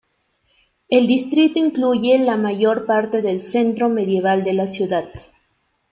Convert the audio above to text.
El distrito incluye la mayor parte del centro medieval de la ciudad.